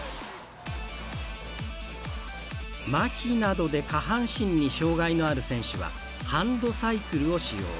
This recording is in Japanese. まひなどで下半身に障がいのある選手はハンドサイクルを使用。